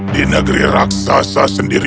di negeri raksasa